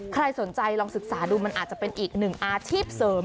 ใครสนใจลองศึกษาดูมันอาจจะเป็นอีกหนึ่งอาชีพเสริม